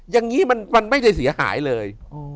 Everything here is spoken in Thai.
อย่างนี้มันไม่ได้เสียหายเลย